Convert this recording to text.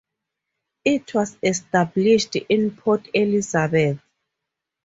It was established in Port Elizabeth.